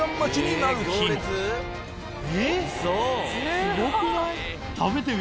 すごくない？